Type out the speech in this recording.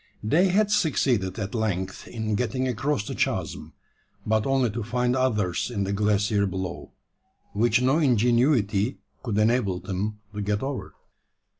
They had succeeded at length in getting across the chasm but only to find others in the glacier below, which no ingenuity could enable them to get over.